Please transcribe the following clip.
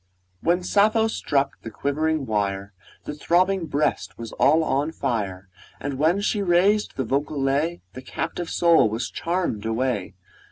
1 When Sappho struck the quivering wire, The throbbing breast was all on fire; And when she raised the vocal lay, The captive soul was charm'd away!